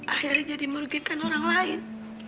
akhirnya jadi merugikan orang lain